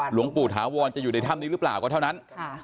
หลวงปู่ถาวรจะอยู่ในถ้ำนี้หรือเปล่าก็เท่านั้น